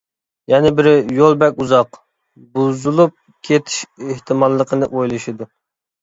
يەنە بىرى يول بەك ئۇزاق، بۇزۇلۇپ كېتىش ئېھتىماللىقىنى ئويلىشىدۇ.